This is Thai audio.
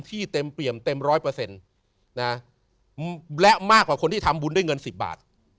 เต็มเปี่ยมเต็มร้อยเปอร์เซ็นต์นะและมากกว่าคนที่ทำบุญด้วยเงิน๑๐บาท